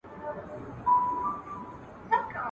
د غریب غاښ په حلوا کي خېژي `